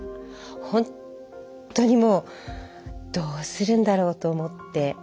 ほんっとにもうどうするんだろうと思って。